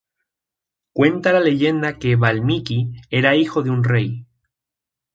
Cuenta la leyenda que Valmiki era hijo de un rey.